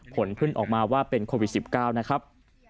ผลเพิ่งออกมาว่าเป็นโควิด๑๙นะครับ